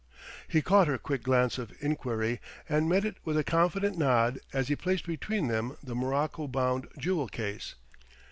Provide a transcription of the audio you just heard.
He caught her quick glance of enquiry, and met it with a confident nod as he placed between them the morocco bound jewel case.